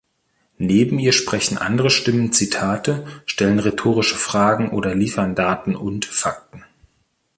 Neben ihr sprechen andere Stimmen Zitate, stellen rhetorische Fragen oder liefern Daten und Fakten.